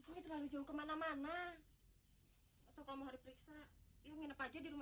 simpan lumayan deh yaa